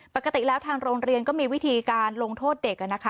ปกติแล้วทางโรงเรียนก็มีวิธีการลงโทษเด็ก